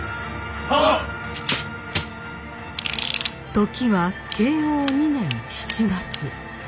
時は慶応２年７月。